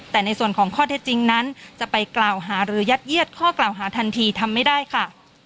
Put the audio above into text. แต่ในส่วนของข้อเท็จจริงนั้นจะไปกล่าวหาหรือยัดเยียดข้อกล่าวหาทันทีทำไม่ได้ค่ะ